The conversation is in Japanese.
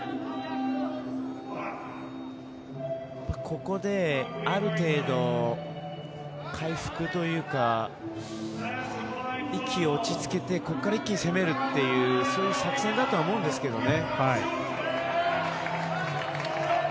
ここである程度、回復というか息を落ち着けて、ここから一気に攻めるっていうそういう作戦だと思うんですけどね。